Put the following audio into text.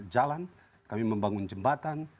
jalan kami membangun jembatan